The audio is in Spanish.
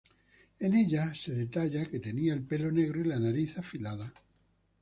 En ella se detalla que tenía el pelo negro y la nariz afilada.